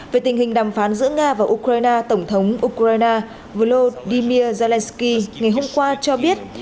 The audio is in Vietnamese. về tình hình đàm phán giữa nga và ukraine tổng thống ukraine volodymyr zelensky ngày hôm qua cho biết